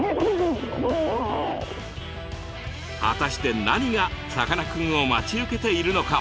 果たして何がさかなクンを待ち受けているのか？